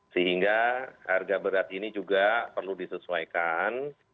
sehingga harga berat ini juga perlu disesuaikan